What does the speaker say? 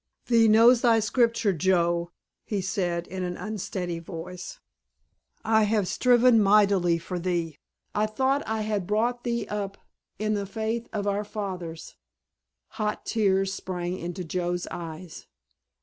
"Thee knows thy Scripture, Joe," he said in an unsteady voice. "I have striven mightily for thee. I thought I had brought thee up in the faith of our fathers——" Hot tears sprang into Joe's eyes.